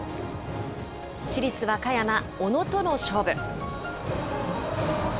市立和歌山、小野との勝負。